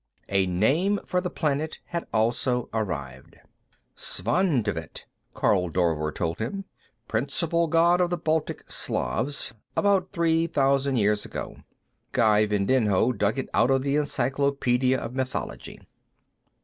A name for the planet had also arrived. "Svantovit," Karl Dorver told him. "Principal god of the Baltic Slavs, about three thousand years ago. Guy Vindinho dug it out of the 'Encyclopedia of Mythology.'